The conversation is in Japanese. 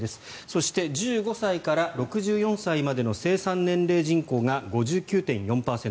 そして、１５歳から６４歳までの生産年齢人口が５９．４％。